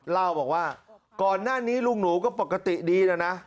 เล่าบอกว่าก่อนหน้านี้ลูกหนูก็ปกติดีแล้วนะ